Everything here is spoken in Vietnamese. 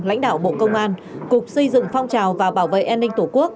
lãnh đạo bộ công an cục xây dựng phong trào và bảo vệ an ninh tổ quốc